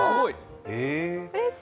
うれしい。